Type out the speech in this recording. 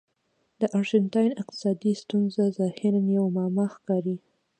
د ارجنټاین اقتصادي ستونزه ظاهراً یوه معما ښکاري.